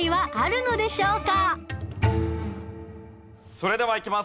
それではいきます。